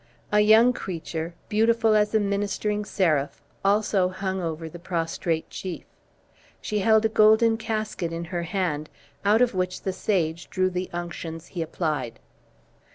A young creature, beautiful as a ministering seraph, also hung over the prostrate chief. She held a golden casket in her hand, out of which the sage drew the unctions he applied.